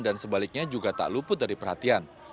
dan sebaliknya juga tak luput dari perhatian